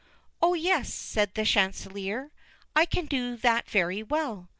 "Oh, yes," said Chanticleer, "I can do that very well."